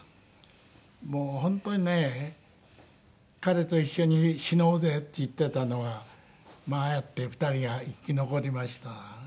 もう本当にね彼と一緒に「死のうぜ」って言っていたのがああやって２人が生き残りました。